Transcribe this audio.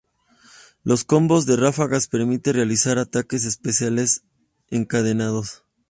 Los Combos de Ráfagas permite realizar ataques especiales encadenados.